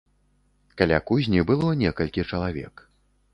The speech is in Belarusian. Каля кузні было некалькі чалавек.